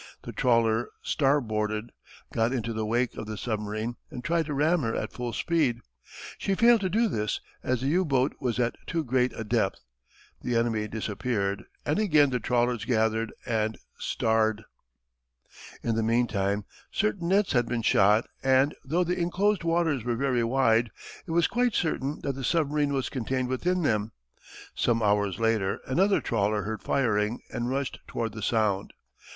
The trawler star boarded, got into the wake of the submarine and tried to ram her at full speed. She failed to do this, as the U boat was at too great a depth. The enemy disappeared, and again the trawlers gathered and "starred." [Illustration: Permission of Scientific American. Sectional View of the Nautilus.] In the meantime, certain nets had been shot, and, though the inclosed waters were very wide, it was quite certain that the submarine was contained within them. Some hours later another trawler heard firing and rushed toward the sound.